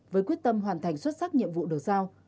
với quyết tâm hoàn thành xuất sắc nhiệm vụ được giao